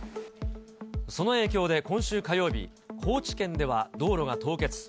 その影響で、今週火曜日、高知県では道路が凍結。